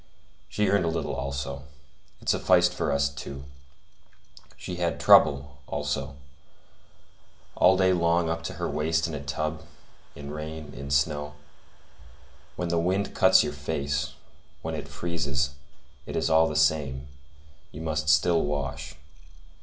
She earned a little also. It sufficed for us two. She had trouble, also; all day long up to her waist in a tub, in rain, in snow. When the wind cuts your face, when it freezes, it is all the same; you must still wash.